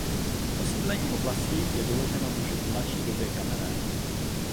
Osídlení oblasti je doloženo už v mladší době kamenné.